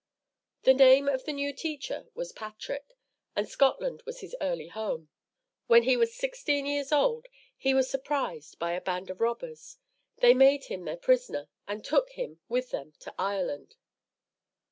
The name of the new teacher was Patrick, and Scotland was his early home. When he was sixteen years old, he was surprised by a band of robbers. They made him their prisoner and took him with them to Ireland.